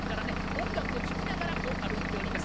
音楽を聴きながらこう歩いております。